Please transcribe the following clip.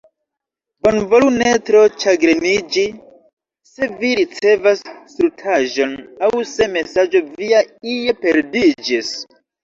Bonvolu ne tro ĉagreniĝi, se vi ricevas stultaĵon, aŭ se mesaĝo via ie perdiĝis.